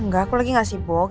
enggak aku lagi gak sibuk